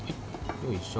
よいしょ。